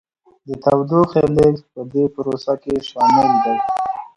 د تودوخې لیږد په دې پروسه کې شامل دی.